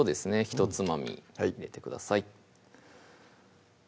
ひとつまみ入れてください